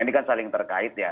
ini kan saling terkait ya